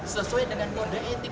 sesuai dengan kode etik